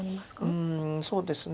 うんそうですね。